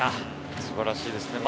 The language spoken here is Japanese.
素晴らしいですね。